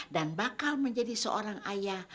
dan bakal menjadi seorang ayah